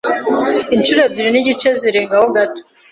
inshuro ebyiri n’igice zirengaho gato